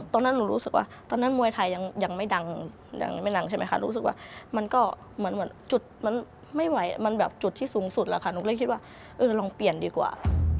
ตอนนั้นหนูรู้สึกว่าตอนนั้นมวยไทยยังไม่ดังยังไม่ดังใช่ไหมคะรู้สึกว่ามันก็เหมือนจุดมันไม่ไหวมันแบบจุดที่สูงสุดแล้วค่ะหนูเลยคิดว่าเออลองเปลี่ยนดีกว่า